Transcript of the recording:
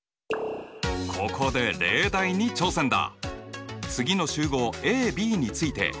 ここで例題に挑戦だ！